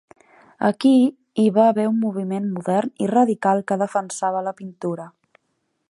Aquí hi va haver un moviment modern i radical que defensava la pintura.